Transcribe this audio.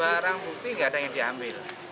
barang bukti nggak ada yang diambil